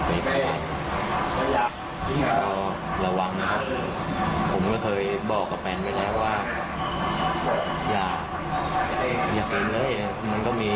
เอาระวังนะครับผมก็เคยบอกกับแฟนไปแล้วว่าอย่าอย่าเกิดเผยเลยมันก็มี